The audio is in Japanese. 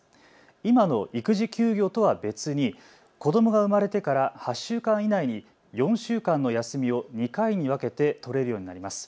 今の育児休業とは別に子どもが生まれてから８週間以内に４週間の休みを２回に分けて取れるようになります。